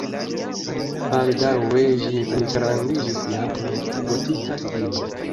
Baldaŭe ĝi pligrandiĝis jam en gotika stilo.